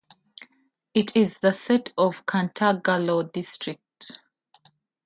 It is the seat of Cantagalo District.